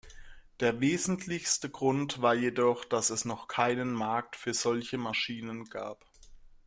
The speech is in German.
Der wesentlichste Grund war jedoch, dass es noch keinen Markt für solche Maschinen gab.